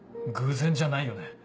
偶然じゃないよね。